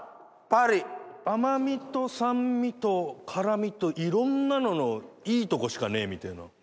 甘味と酸味と辛味といろんなののいいとこしかねえみたいな。